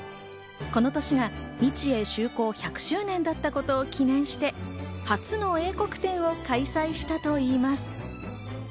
この年が日英修好１００周年だったことを記念して、初の英国展を開催したといいます。